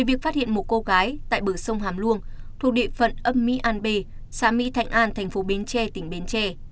việc phát hiện một cô gái tại bờ sông hàm luông thuộc địa phận ấp mỹ an b xã mỹ thạnh an thành phố bến tre tỉnh bến tre